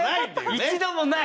一度もない！